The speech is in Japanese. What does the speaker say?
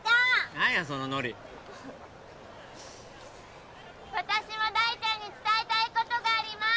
何やそのノリ私も大ちゃんに伝えたいことがあります！